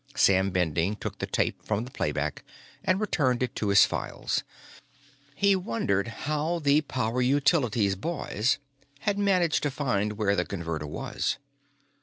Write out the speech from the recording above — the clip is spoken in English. Sam Bending took the tape from the playback and returned it to his files. He wondered how the Power Utilities boys had managed to find where the Converter was.